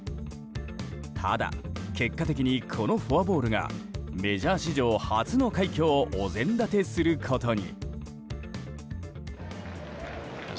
ただ、結果的にこのフォアボールがメジャー史上初の快挙をお膳立てすることに。